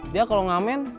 dia kalau ngamen